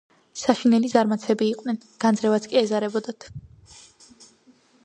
საშინელი ზარმაცები იყვნენ. განძრევაც კი ეზარებოდათ.